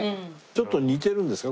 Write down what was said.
ちょっと似てるんですか？